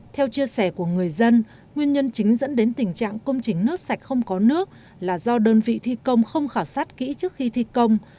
theo chia sẻ của người dân nguyên nhân chính dẫn đến tình trạng công trình nước sạch không có nước là do đơn vị thi công không khảo sát kỹ trước khi thi công